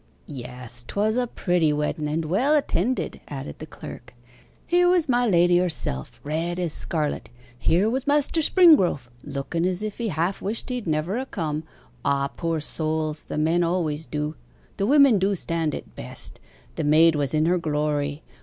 'Yes, 'twas a pretty wedden, and well attended,' added the clerk. 'Here was my lady herself red as scarlet: here was Master Springrove, looken as if he half wished he'd never a come ah, poor souls! the men always do! The women do stand it best the maid was in her glory.